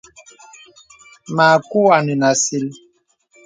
Mǎku ā nə̀ nə̀ àsìl.